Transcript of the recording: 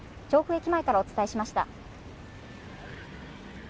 調布駅前からお伝えしました。